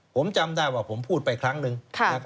ผมจำได้ว่าผมพูดไปครั้งหนึ่ง